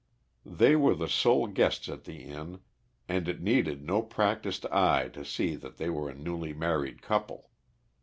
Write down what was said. They were the sole guests at the inn, and it needed no practised eye to see that they were a newly married couple.